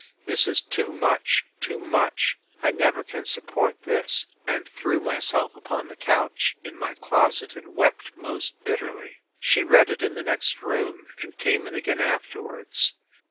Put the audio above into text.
This is too much! too much! I never can support this—and threw myself upon the couch, in my closet, and wept most bitterly. She read it in the next room, and came in again afterwards.